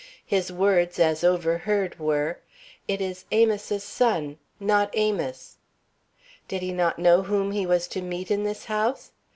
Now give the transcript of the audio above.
His words as overheard were: "It is Amos' son, not Amos!" Did he not know whom he was to meet in this house?